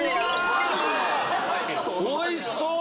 おいしそう！